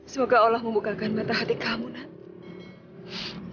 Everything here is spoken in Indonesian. semoga allah membukakan mata hati kamu nanti